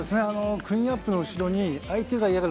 クリーンアップの後ろに相手が嫌がる